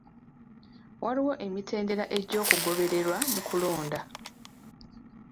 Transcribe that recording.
Waliwo emitendera egy'okugobererwa mu kulonda?